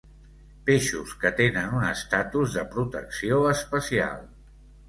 Peixos que tenen un estatus de protecció especial.